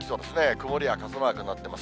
曇りや傘マークになってます。